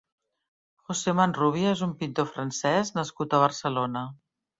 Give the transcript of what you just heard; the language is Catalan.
José Manrubia és un pintor francès nascut a Barcelona.